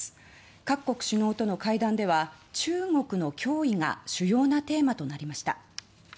各国首脳との会談では「中国の脅威」が主要なテーマになりました。